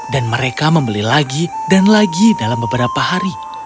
dan mereka membeli lagi dan lagi dalam beberapa hari